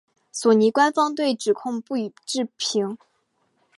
索尼官方对指控不予置评。